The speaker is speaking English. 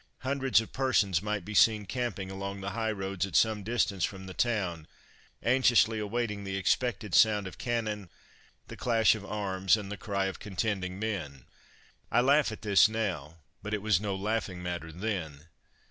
Hundreds of persons might be seen camping along the high roads at some distance from the town, anxiously awaiting the expected sound of cannon, the clash of arms, and the cry of contending men. I laugh at this now but it was no laughing matter then.